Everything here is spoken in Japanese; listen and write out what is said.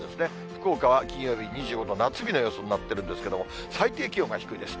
福岡は金曜日、２５度、夏日の予想になってるんですけども、最低気温が低いです。